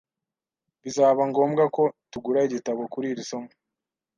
Bizaba ngombwa ko tugura igitabo kuri iri somo?